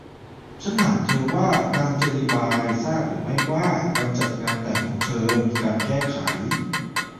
ฉันถามเธอว่า นางเจลลีบายทราบหรือไม่ว่าวันจัดงานแต่งของเธอมีการแก้ไข